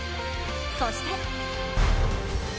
そして。